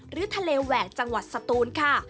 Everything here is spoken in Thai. หรือทะเลแหวกจังหวัดสตูนค่ะ